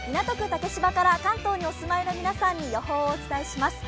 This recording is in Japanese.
竹芝から関東にお住まいの皆さんに予報をお伝えします。